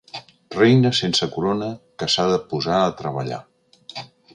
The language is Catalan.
Reina sense corona que s'ha de posar a treballar.